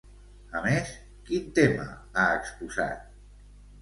A més, quin tema ha exposat?